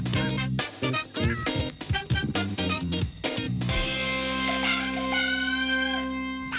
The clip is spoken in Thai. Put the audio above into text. กิ๊วลูกเป๋มากพี่ปลดมือให้เลย